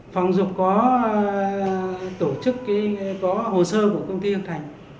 phòng dục có tổ chức có hồ sơ của công ty yên thành